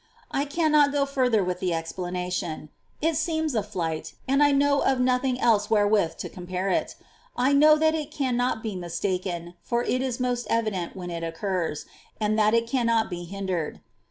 I cannot go further with the explanation; it seems a flight, and I know of nothing else wherewith to com pare it: I know that it cannot be mistaken, for it is most evident when it occurs, and that it cannot be hindered.